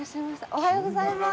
おはようございます！